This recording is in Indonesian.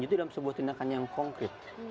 itu dalam sebuah tindakan yang konkret